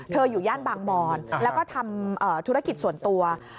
อยู่ย่านบางบอนแล้วก็ทำธุรกิจส่วนตัว